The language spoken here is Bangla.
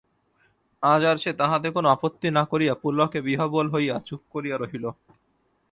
আজ আর সে তাহাতে কোনো আপত্তি না করিয়া পুলকে বিহ্বল হইয়া চুপ করিয়া রহিল।